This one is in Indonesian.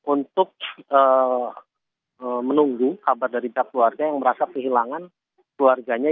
untuk menunggu kabar dari pihak keluarga yang merasa kehilangan keluarganya